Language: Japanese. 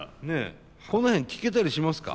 この辺聞けたりしますか？